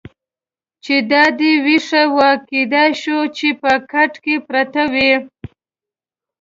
چې دا دې وېښه وه، کېدای شوه چې په کټ کې پرته وه.